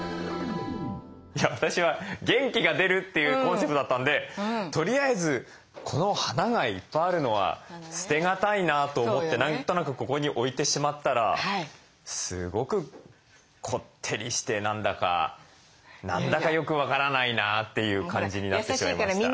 私は「元気が出る」っていうコンセプトだったんでとりあえずこの花がいっぱいあるのは捨てがたいなと思って何となくここに置いてしまったらすごくこってりして何だか何だかよく分からないなっていう感じになってしまいました。